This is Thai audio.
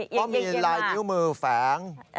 ก็มีลายนิ้วมือแฝง